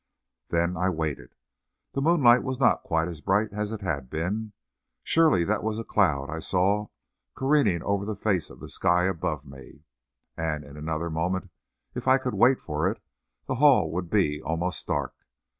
Then I waited. The moonlight was not quite as bright as it had been; surely that was a cloud I saw careering over the face of the sky above me, and in another moment, if I could wait for it, the hall would be almost dark.